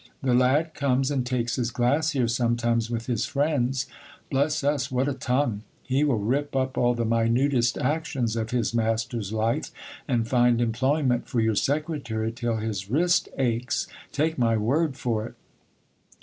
The lad comes and takes his glass here sometimes with his friends. Bless us, what a tongue ! He will rip up all the minutest actions of his master's life, and find employment for your secretary till his wrist aches, take my word for it.